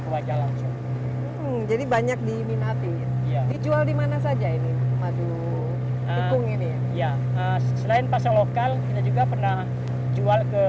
wah ini itu